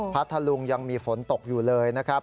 พัทธลุงยังมีฝนตกอยู่เลยนะครับ